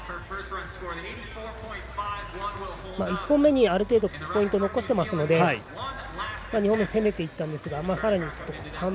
１本目にある程度ポイント残していますので２本目攻めていったんですが。